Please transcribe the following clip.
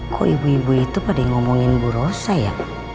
kok ibu ibu itu pada ngomongin bu rosa ya